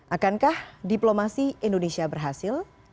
akankah diplomasi indonesia berhasil